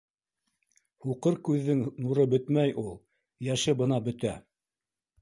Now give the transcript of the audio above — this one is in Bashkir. — Һуҡыр күҙҙең нуры бөтмәй ул, йәше бына бөтә.